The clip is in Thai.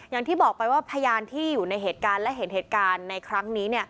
อย่างที่บอกไปว่าพยานที่อยู่ในเหตุการณ์และเห็นเหตุการณ์ในครั้งนี้